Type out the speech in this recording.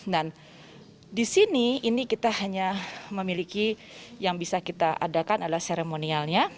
dan di sini ini kita hanya memiliki yang bisa kita adakan adalah seremonialnya